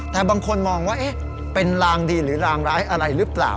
แต่บางคนมองว่าเป็นรางดีหรือรางร้ายอะไรหรือเปล่า